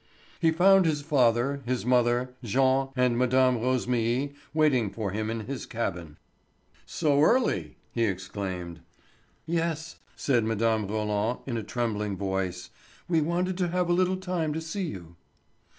He found his father, his mother, Jean, and Mme. Rosémilly waiting for him in his cabin. "So early!" he exclaimed. "Yes," said Mme. Roland in a trembling voice. "We wanted to have a little time to see you."